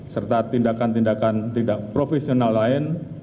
serta tindakan tindakan tidak profesional lain